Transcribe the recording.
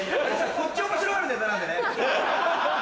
こっち面白いネタなんでね。